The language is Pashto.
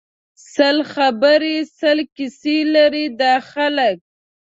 سل خبری سل کیسی لري دا خلک